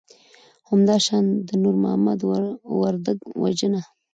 همدا شان د نور محمد وردک وژنه